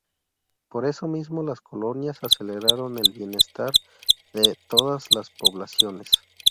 Por eso mismo las colonias aceleraron el bien estar de todas las poblaciones.